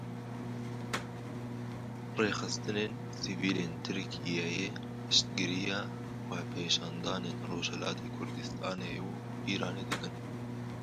Rêxistinên sivîl ên Tirkiyeyê piştgiriya xwepêşandanên Rojhilatê Kurdistanê û Îranê dikin.